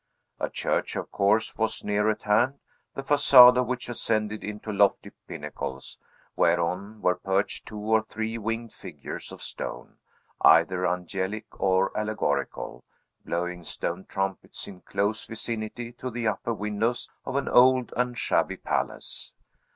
A church, of course, was near at hand, the facade of which ascended into lofty pinnacles, whereon were perched two or three winged figures of stone, either angelic or allegorical, blowing stone trumpets in close vicinity to the upper windows of an old and shabby palace.